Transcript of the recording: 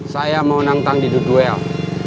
saya mau nantang di duduel